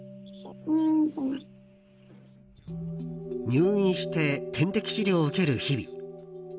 入院して点滴治療を受ける日々。